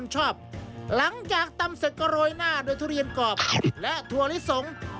ชอบหลังจากตำเสร็จก็โรยหน้าโดยทุเรียนกรอบและถั่วลิสง